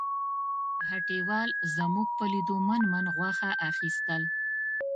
هټیوال زموږ په لیدو من من غوښه اخیستل.